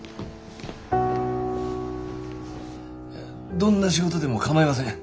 どんな仕事でもかまいません。